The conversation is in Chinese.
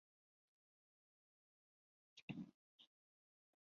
明宣宗宣德年间攻打击兀良哈。